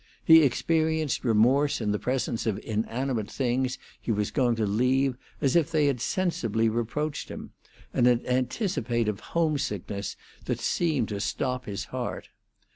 He experienced remorse in the presence of inanimate things he was going to leave as if they had sensibly reproached him, and an anticipative homesickness that seemed to stop his heart.